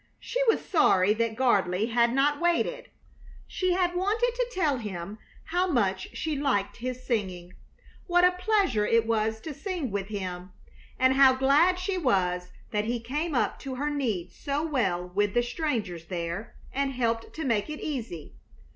She was sorry that Gardley had not waited. She had wanted to tell him how much she liked his singing, what a pleasure it was to sing with him, and how glad she was that he came up to her need so well with the strangers there and helped to make it easy.